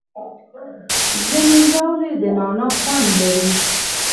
ځینې ژاولې د نعناع خوند لري.